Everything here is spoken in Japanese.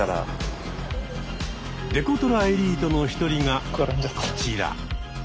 デコトラエリートの一人がこちら。